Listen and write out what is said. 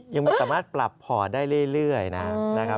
ยังสามารถปรับพอร์ตได้เรื่อยนะครับ